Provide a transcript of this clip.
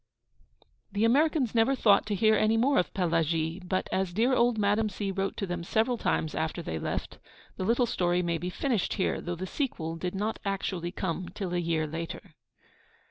The Americans never thought to hear any more of Pelagie; but, as dear old Madame C. wrote to them several times after they left, the little story may be finished here, though the sequel did not actually come till a year later.